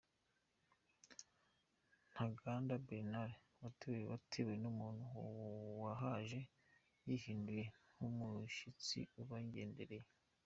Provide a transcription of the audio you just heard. Ntaganda Bernard rwatewe n’umuntu wahaje yihinduye nk’umushyitsi ubangendereye.